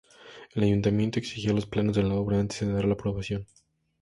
El Ayuntamiento exigió los planos de la obra antes de dar su aprobación.